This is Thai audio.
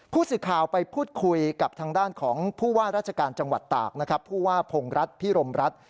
ผู้สื่อข่าวไปพูดคุยกับทางด้านของผู้ว่าราชการจังหวัดตากนะครับผู้ว่าพงรัฐพิรมรัฐ